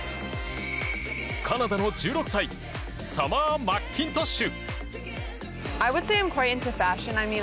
カナダの１６歳サマー・マッキントッシュ。